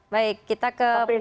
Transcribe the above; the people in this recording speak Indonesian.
baik kita ke pak